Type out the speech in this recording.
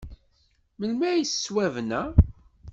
Melmi ay yettwabna?